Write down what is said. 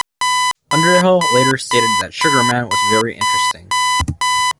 Underhill later stated that Sugerman was very interesting.